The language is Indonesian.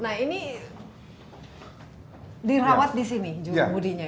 nah ini dirawat di sini